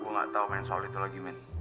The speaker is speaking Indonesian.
gue gak tau men soal itu lagi men